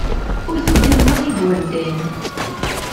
Ur t-ugaden ara igerdan.